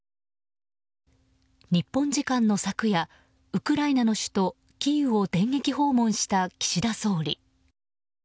日本時間の昨夜ウクライナの首都キーウを電撃訪問した岸田総理。